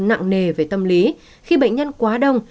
nặng nề về tâm lý khi bệnh nhân quá đông